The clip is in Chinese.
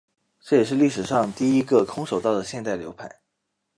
这也是历史上第一个空手道的现代流派。